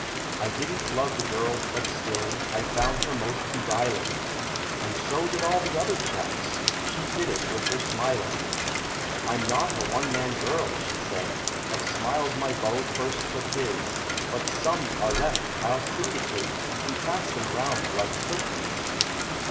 I didn't love the girl, but still I found her most beguiling; And so did all the other chaps She did it with her smiling. "I'm not a one man girl," she said "Of smiles my beau first took his; But some are left; I'll syndicate And pass them round like cookies."